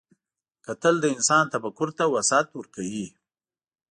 کتل د انسان تفکر ته وسعت ورکوي